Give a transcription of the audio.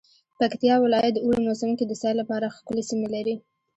پکتيا ولايت د اوړی موسم کی د سیل لپاره ښکلی سیمې لری